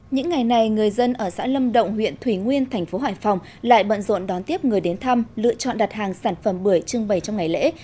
những ngày này người dân ở xã lâm động huyện thủy nguyên thành phố hải phòng lại bận rộn đón tiếp người đến thăm lựa chọn đặt hàng sản phẩm bưởi trưng bày trong ngày lễ